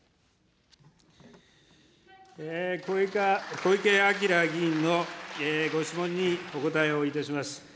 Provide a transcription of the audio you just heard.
小池晃議員のご質問にお答えをいたします。